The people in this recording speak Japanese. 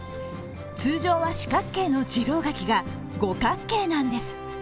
通常は四角形の次郎柿が五角形なんです。